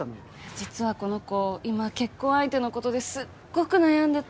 実はこの子今結婚相手のことですっごく悩んでて。